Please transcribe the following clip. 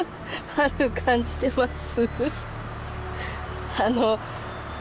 春感じてます